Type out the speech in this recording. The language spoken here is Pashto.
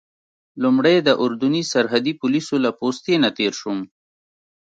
لومړی د اردني سرحدي پولیسو له پوستې نه تېر شوم.